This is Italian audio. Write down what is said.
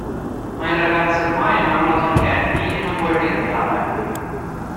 Ma il ragazzo ormai è innamorato di Candy e non vuole rientrare.